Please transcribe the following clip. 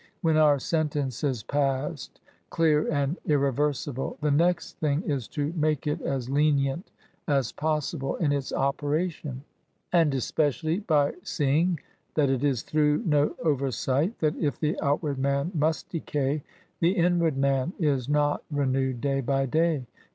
When our sentence is passed^ clear and irreversible^ the next thing is to make it as lenient as possible in its operation ; and especially by seeing that it is through no oversight that^ if the outward man must decay^ the inward man is not renewed day by day.